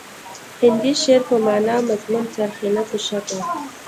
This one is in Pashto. هندي شعر په معنا او مضمون څرخي نه په شکل